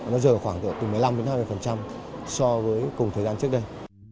nó rời vào khoảng từ một mươi năm hai mươi so với cùng thời gian trước đây